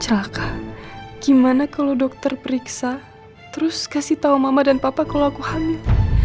ceraka gimana kalau dokter periksa terus kasih tahu mama dan papa kalau aku hamil